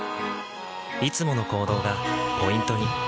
いつもの行動がポイントに。